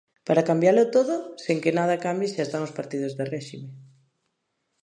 Para cambialo todo sen que nada cambie xa están os partidos do réxime.